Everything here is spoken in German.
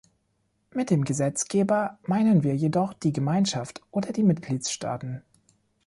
Mit dem Gesetzgeber meinen wir jedoch die Gemeinschaft oder die Mitgliedstaaten.